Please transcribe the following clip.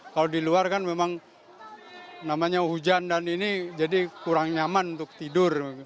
kalau di luar kan memang namanya hujan dan ini jadi kurang nyaman untuk tidur